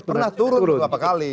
pernah turun beberapa kali